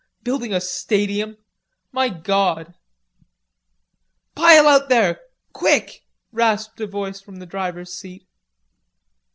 Building a stadium! My gawd!" "Pile out there.... Quick!" rasped a voice from the driver's seat.